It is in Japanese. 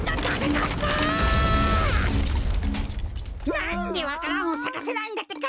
なんでわか蘭をさかせないんだってか！